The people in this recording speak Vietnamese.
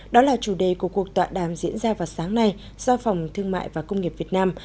đó là chủ đề của cuộc tọa đàm diễn ra vào sáng nay do phòng thương mại và công nghiệp việt nam